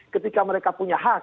ketika mereka punya hak